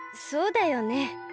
そうだよね。